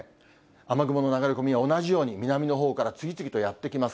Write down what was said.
雨雲の流れ込みが同じように南のほうから次々とやって来ます。